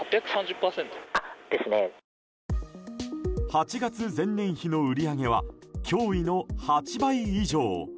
８月前年比の売り上げは驚異の８倍以上。